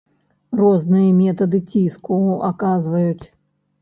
Розныя метады ціску аказваюць.